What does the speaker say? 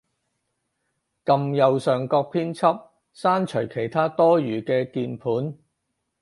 撳右上角編輯，刪除其它多餘嘅鍵盤